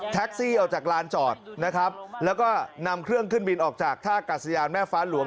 ออกจากลานจอดนะครับแล้วก็นำเครื่องขึ้นบินออกจากท่ากัดสยานแม่ฟ้าหลวง